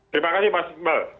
terima kasih pak simbel